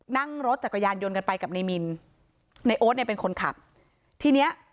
นั่งรถจักรยานยนต์กันไปกับนายมินในโอ๊ตเนี่ยเป็นคนขับทีเนี้ย